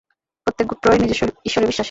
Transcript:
প্রত্যেক গোত্রই নিজস্ব ঈশ্বরে বিশ্বাসী।